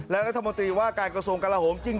และรัฐบนตรีว่าการกระทรวงกระละหง